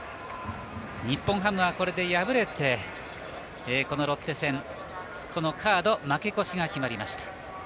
日本ハムはこれで敗れてこのロッテ戦このカード負け越しが決まりました。